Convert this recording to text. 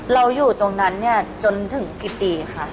เราอยู่ตรงนั้นจนถึงกี่ปีค่ะ